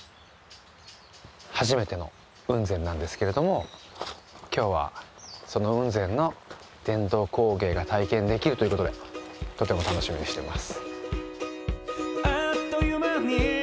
初めての雲仙なんですけれども今日はその雲仙の伝統工芸が体験できるということでとても楽しみにしてます。